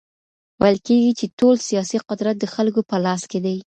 ويل کېږي چي ټول سياسي قدرت د خلګو په لاس کي دی.